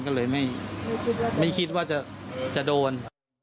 ก็เลยไม่คิดว่าจะโดน